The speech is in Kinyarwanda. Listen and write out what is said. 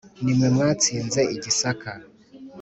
ni mwe mwatsinze i gisaka